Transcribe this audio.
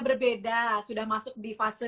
berbeda sudah masuk di fase